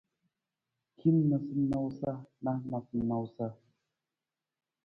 Hin noosanoosa na noosanoosa.